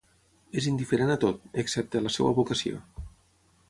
És indiferent a tot, excepte a la seva vocació.